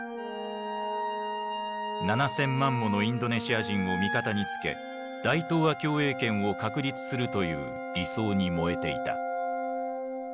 ７，０００万ものインドネシア人を味方につけ大東亜共栄圏を確立するという理想に燃えていた。